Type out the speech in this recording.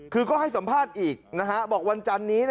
คือก็ให้สัมภาษณ์อีกบอกวันจันนี้